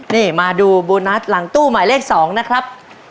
นี่มาดูเบอร์นัสหลังตู้ใหม่ไม่เรียก๒นะครับ